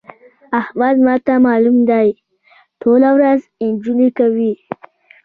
احمد ما ته مالوم دی؛ ټوله ورځ نجونې کوي.